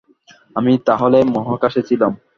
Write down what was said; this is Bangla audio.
আমি তাহলে মহাকাশে ছিলাম।